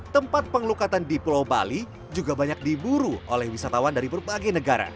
tempat pengelukatan di pulau bali juga banyak diburu oleh wisatawan dari berbagai negara